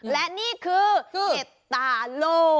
และนี่คือเห็ดตาโล่